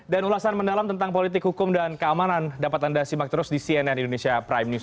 dan ulasan mendalam tentang politik hukum dan keamanan dapat anda simak terus di cnn indonesia prime news